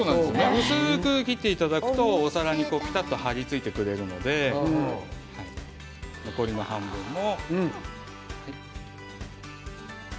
薄く切っていただくとお皿にぴたっと貼り付いてくれるので残りの半分も。